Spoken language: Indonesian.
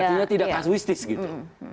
artinya tidak kasuistis gitu